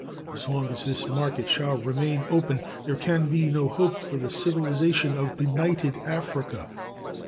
As long as this market shall remain open there can be no hope for the civilization of benighted Africa.